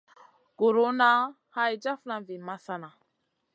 Guruna hay jafna vi masana.